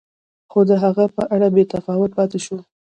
خو د هغه په اړه بې تفاوت پاتې شو.